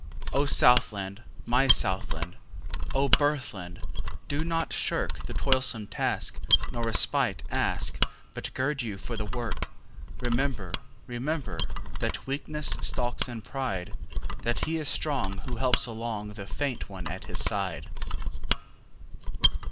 O Southland! my Southland!O birthland! do not shirkThe toilsome task, nor respite ask, But gird you for the work. Remember, rememberThat weakness stalks in pride; That he is strong who helps alongThe faint one at his side.